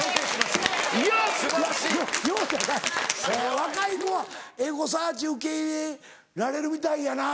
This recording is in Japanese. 若い子はエゴサーチ受け入れられるみたいやな。